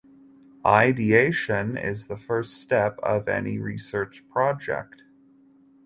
Ideation is the first step of any research project.